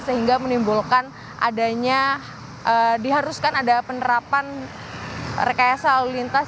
sehingga menimbulkan adanya diharuskan ada penerapan rekayasa lalu lintas